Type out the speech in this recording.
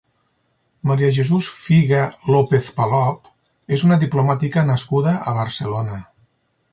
María Jesús Figa López-Palop és una diplomàtica nascuda a Barcelona.